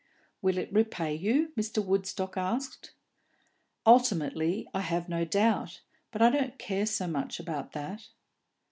"Will it repay you?" Mr. Woodstock asked. "Ultimately, I have no doubt; but I don't care so much about that."